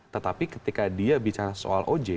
tetapi ketika dia bicara soal oj